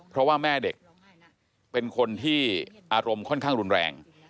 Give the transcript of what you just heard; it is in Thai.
เพราะว่าแม่เด็กเป็นคนที่อารมณ์ค่อนข้างรุนแรง